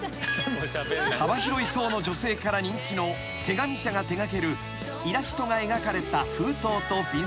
［幅広い層の女性から人気の手紙舎が手掛けるイラストが描かれた封筒と便箋］